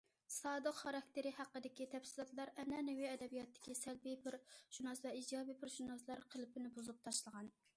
سادىق خاراكتېرى ھەققىدىكى تەپسىلاتلار ئەنئەنىۋى ئەدەبىياتتىكى سەلبىي پېرسوناژ ۋە ئىجابىي پېرسوناژلار قېلىپىنى بۇزۇپ تاشلىغان.